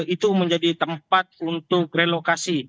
itu menjadi tempat untuk relokasi